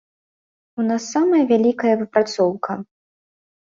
У нас самая вялікая выпрацоўка.